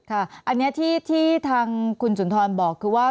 ค่ะอันนี้ที่ทางคุณสุนทรบอกคือว่า